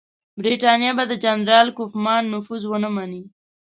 برټانیه به د جنرال کوفمان نفوذ ونه مني.